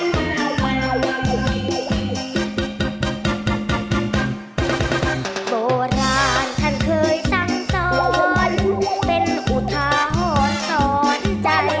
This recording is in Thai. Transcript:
โบราณท่านเคยซ้ำซ้อนเป็นอุทาหอนซ้อนใจ